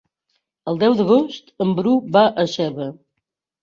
El deu d'agost en Bru va a Seva.